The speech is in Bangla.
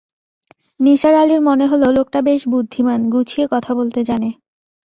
নিসার আলির মনে হল লোকটা বেশ বুদ্ধিমান, গুছিয়ে কথা বলতে জানে।